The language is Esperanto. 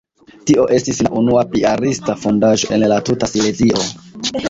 Tio estis la unua piarista fondaĵo en la tuta Silezio.